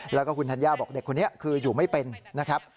แล้วก็คุณธัญญาบอกเด็กคนนี้คืออยู่ไม่เป็นนะครับ